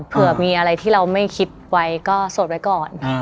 เผื่อมีอะไรที่เราไม่คิดไว้ก็โสดไว้ก่อน